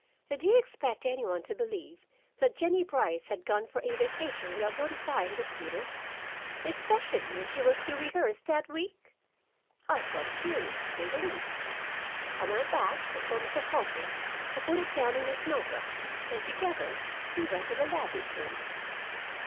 Did he expect any one to believe that Jennie Brice had gone for a vacation without notifying the theater? Especially when she was to rehearse that week? I thought it curious, to say the least. I went back and told Mr. Holcombe, who put it down in his note book, and together we went to the Ladleys' room.